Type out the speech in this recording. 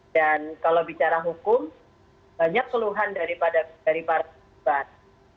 dan kalau bicara hukum banyak keluhan dari para sebutan